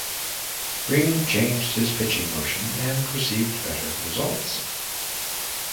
Ring changed his pitching motion and received better results.